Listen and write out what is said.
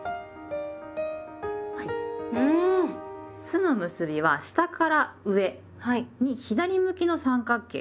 「す」の結びは下から上に左向きの三角形。